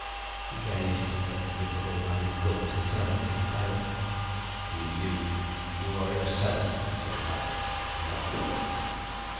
He gazed reflectively at the bald man, who gulped and turned a little pale. "You ... you are in a cell," he said at last. "Locked up."